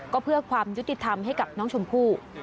ก็เพื่อความยุติธรรมให้กับน้องชมพู่